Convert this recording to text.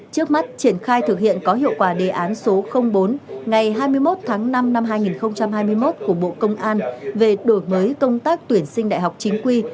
trước mắt triển khai thực hiện có hiệu quả đề án số bốn ngày hai mươi một tháng năm năm hai nghìn hai mươi một của bộ công an về đổi mới công tác tuyển sinh đại học chính quy